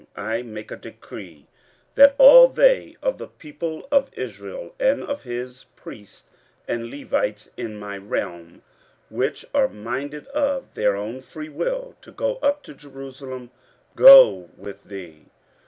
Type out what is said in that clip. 15:007:013 I make a decree, that all they of the people of Israel, and of his priests and Levites, in my realm, which are minded of their own freewill to go up to Jerusalem, go with thee.